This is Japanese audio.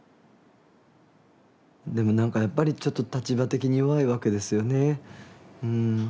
でもなんかやっぱりちょっと立場的に弱いわけですよねうん。